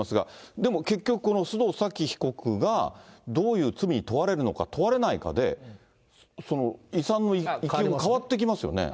でも結局、この須藤早貴被告が、どういう罪に問われるのか、問われないかで、遺産のいきようが変わってきますよね。